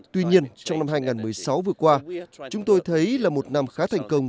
tuy nhiên trong năm hai nghìn một mươi sáu vừa qua chúng tôi thấy là một năm khá thành công